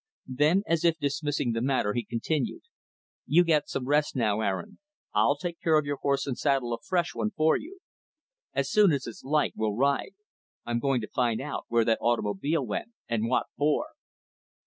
Then, as if dismissing the matter, he continued, "You get some rest now, Aaron. I'll take care of your horse and saddle a fresh one for you. As soon as it's light, we'll ride. I'm going to find out where that automobile went and what for."